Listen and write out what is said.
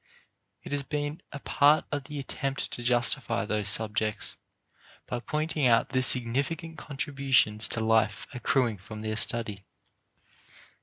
It has been a part of the attempt to justify those subjects by pointing out the significant contributions to life accruing from their study.